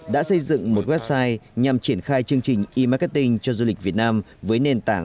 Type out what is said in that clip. đã xây dựng một website nhằm triển khai chương trình e marketing cho du lịch việt nam với nền tảng